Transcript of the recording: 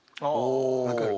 分かる。